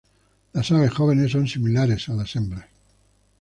Las aves jóvenes son similares a las hembras.